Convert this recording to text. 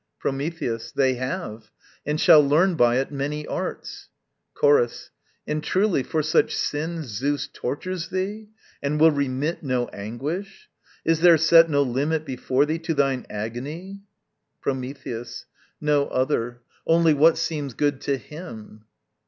Prometheus. They have: and shall learn by it many arts. Chorus. And truly for such sins Zeus tortures thee And will remit no anguish? Is there set No limit before thee to thine agony? Prometheus. No other: only what seems good to HIM.